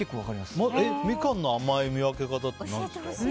ミカンの見分け方って何ですか？